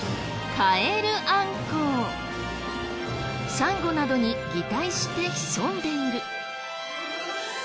サンゴなどに擬態して潜んでいる。